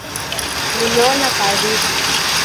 Nimeona karibu